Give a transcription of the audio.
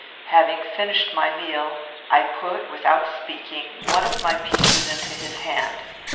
Having finished my meal, I put, without speaking, one of my pieces into his hand.